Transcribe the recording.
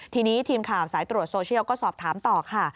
ทีนี้ทีมข่าวสายตรวจโซเชียลก็สอบถามต่อค่ะ